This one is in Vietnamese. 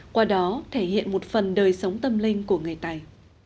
qua đó thể hiện một phần đời sống tâm linh của người tày